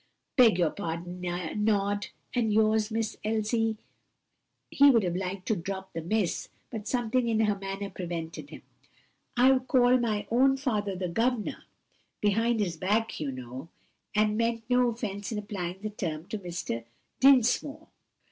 "Beg your pardon, Nod, and yours, Miss Elsie" (he would have liked to drop the Miss, but something in her manner prevented him), "I call my own father the governor behind his back you know and meant no offence in applying the term to Mr. Dinsmore."